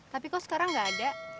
tapi kok sekarang gak ada